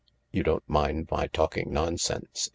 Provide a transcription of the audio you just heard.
" You don't mind my talking nonsense